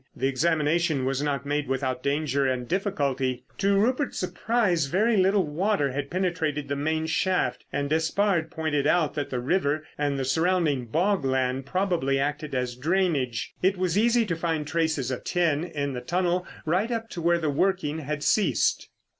The examination was not made without danger and difficulty. To Rupert's surprise very little water had penetrated the main shaft, and Despard pointed out that the river and the surrounding bog land probably acted as drainage. It was easy to find traces of tin in the tunnel right up to where the working had ceased.